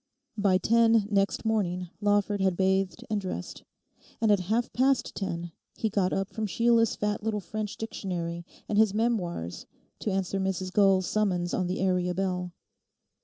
By ten next morning Lawford had bathed and dressed. And at half past ten he got up from Sheila's fat little French dictionary and his Memoirs to answer Mrs Gull's summons on the area bell.